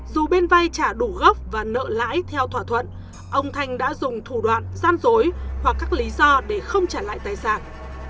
dù bên vay trả đủ gốc và nợ lãi theo thỏa thuận ông thanh đã dùng thủ đoạn gian dối hoặc các lý do để không trả lại tài sản